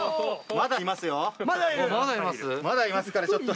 まだいますからちょっと。